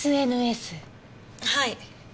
はい。